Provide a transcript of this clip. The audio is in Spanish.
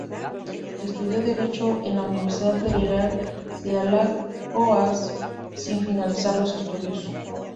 Estudió derecho en la Universidad Federal de Alagoas, sin finalizar los estudios.